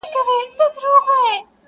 په دوږخ کي هم له تاسي نه خلاصېږو!!!!!